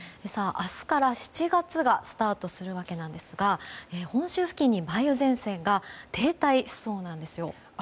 明日から７月がスタートするわけなんですが本州付近に梅雨前線が停滞しそうなんですよ。